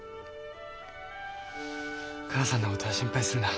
母さんのことは心配するな。